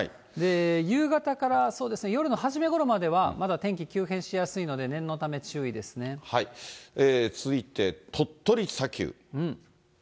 夕方から、そうですね、夜の初めごろまではまだ天気急変しやすい続いて鳥取砂丘。